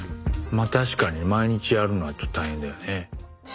まあ確かに毎日やるのはちょっと大変だよね。